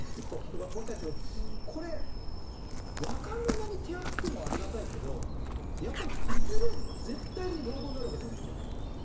これ若者に手厚くもありがたいけどやっぱりいずれ絶対的に老後になるわけじゃないですか。